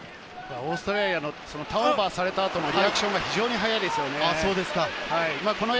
オーストラリアのターンオーバーされた後のリアクションが非常に早いですね。